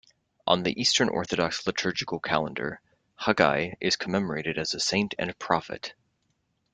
On the Eastern Orthodox liturgical calendar, Haggai is commemorated as a saint and prophet.